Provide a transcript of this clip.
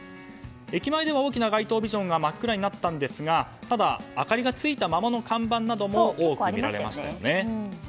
駅前では大きな街頭ビジョンが真っ暗になりましたがただ、明かりがついたままの看板なども多く見られましたよね。